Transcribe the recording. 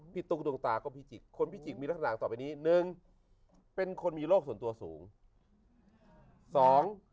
ติกผิดตุกตาก็มีกิดมีลักษณะต่อไปนี้๑เป็นคนมีโรคส่วนตัวสูง